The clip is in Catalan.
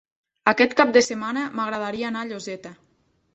Aquest cap de setmana m'agradaria anar a Lloseta.